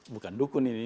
bukan dukun ini